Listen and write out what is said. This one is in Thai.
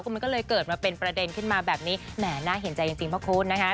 มันก็เลยเกิดมาเป็นประเด็นขึ้นมาแบบนี้แหมน่าเห็นใจจริงพระคุณนะคะ